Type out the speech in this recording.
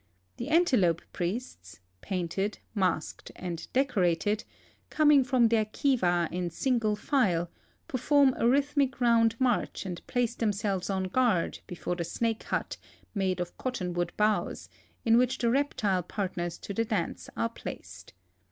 The Antelope THE FORESTS AND DESERTS OF ARIZONA 223 priests— painted, masked, and decorated— coming from their kiva in single file, perform a rhythmic round marcli and place them selves on guard l)efore the snake hut made of cottonwood houghs, in which the reptile partners to the dance are placed.